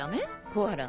コアラ。